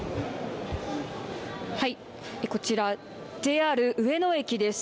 こちらＪＲ上野駅です。